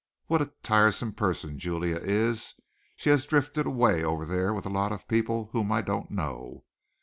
What a tiresome person Julia is! She has drifted away over there with a lot of people whom I don't know.